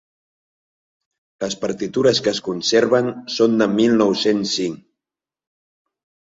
Les partitures que es conserven són de mil nou-cents cinc.